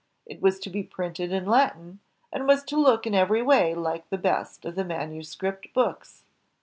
It was to be printed in Latin, and was to look in every way like the best of the manuscript books.